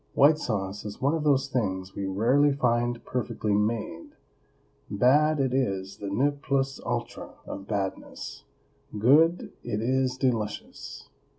WHITE SAUCE is one of those things we rarely find perfectly made; bad, it is the ne plus ultra of badness; good, it is delicious.